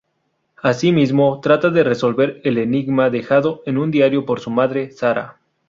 Asimismo, trata de resolver el enigma dejado en un diario por su madre, Sara.